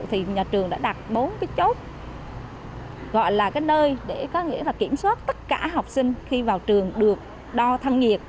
thì nhà trường đã đặt bốn cái chốt gọi là cái nơi để kiểm soát tất cả học sinh khi vào trường được đo thăng nghiệp